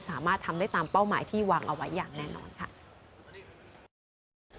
สามารถทำได้ตามเป้าหมายที่วางเอาไว้อย่างแน่นอนค่ะ